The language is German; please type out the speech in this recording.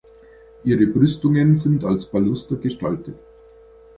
Ihre Brüstungen sind als Baluster gestaltet.